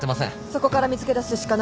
そこから見つけだすしかない。